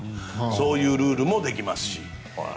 そういうルールもできますし。